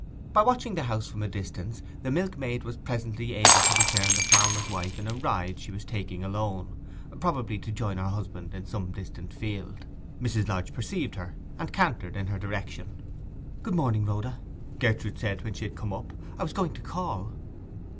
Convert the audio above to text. By watching the house from a distance the milkmaid was presently able to discern the farmer's wife in a ride she was taking alone—probably to join her husband in some distant field. Mrs. Lodge perceived her, and cantered in her direction. 'Good morning, Rhoda!' Gertrude said, when she had come up. 'I was going to call.